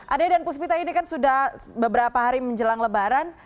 ade dan puspita ini kan sudah beberapa hari menjelang lebaran